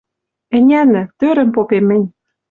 Ӹнянӹ, тӧрӹм попем мӹнь.